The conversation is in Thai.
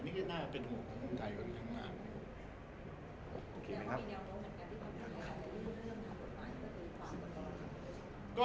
นี่ก็น่าจะเป็นห่วงของคนไก่กันข้างล่าง